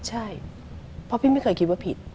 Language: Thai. ใช่เพราะพี่ไม่เคยคิดว่าผิด